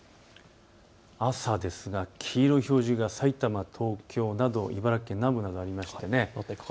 朝ですが黄色い表示がさいたま、東京など、茨城県南部などにありますね。